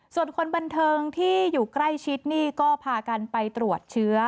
ส่วนคนบันเทิงที่อยู่ใกล้ชิดนี่ก็พากันไปตรวจเชื้อ